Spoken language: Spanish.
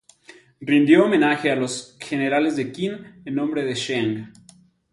Rindió homenaje a los generales de Qin en nombre de Zheng.